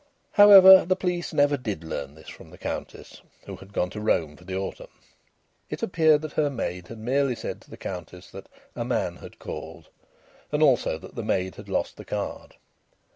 However, the police never did learn this from the Countess (who had gone to Rome for the autumn). It appeared that her maid had merely said to the Countess that "a man" had called, and also that the maid had lost the card.